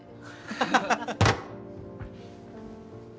ハハハハ。